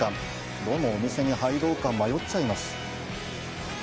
どのお店に入ろうか、迷っちゃいます。